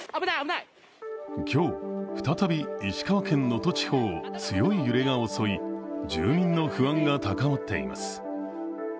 今日、再び石川県能登地方を強い揺れが襲い、住民の不安が高まっています。